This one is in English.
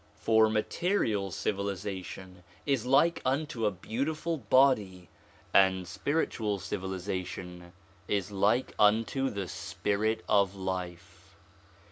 For material civilization is like unto a beautiful body and spiritual civilization is like unto the spirit of life.